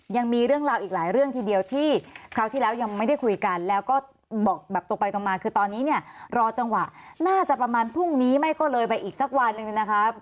ยังมีเรื่องราวอีกหลายเรื่องทีเดียวที่คราวที่แล้วยังไม่ได้คุยกันแล้วก็บอกแบบตรงไปตรงมาคือตอนนี้เนี่ยรอจังหวะน่าจะประมาณพรุ่งนี้ไม่ก็เลยไปอีกสักวันหนึ่งนะครับ